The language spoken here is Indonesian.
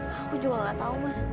aku juga gak tau mah